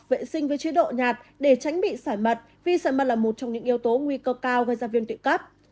vì sẽ mất là một trong những yếu tố nguy cơ cao gây ra viên tụy cấp